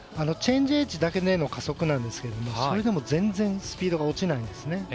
チェンジエッジだけでの加速なんですけどそれでも全然スピードが落ちないんですね。